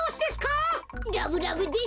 ラブラブですね。